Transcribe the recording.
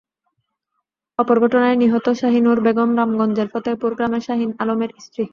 অপর ঘটনায় নিহত শাহিনুর বেগম রামগঞ্জের ফতেহপুর গ্রামের শাহিন আলমের স্ত্রী।